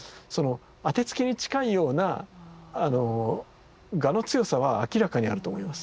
当てつけに近いような我の強さは明らかにあると思います。